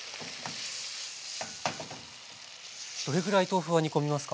どれぐらい豆腐は煮込みますか？